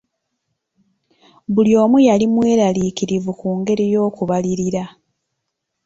Buli omu yali mweraliikirivu ku ngeri y'okubalirira.